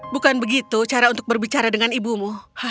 bukan begitu cara untuk berbicara dengan ibumu